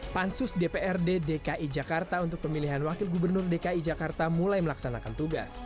pansus dprd dki jakarta untuk pemilihan wakil gubernur dki jakarta mulai melaksanakan tugas